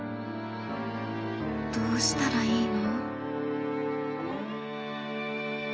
どうしたらいいの」。